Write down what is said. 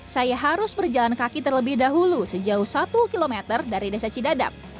saya harus berjalan kaki terlebih dahulu sejauh satu km dari desa cidadap